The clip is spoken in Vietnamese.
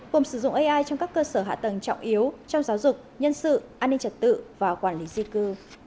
gồm sử dụng ai trong các cơ sở hạ tầng trọng yếu trong giáo dục nhân sự an ninh trật tự và quản lý di cư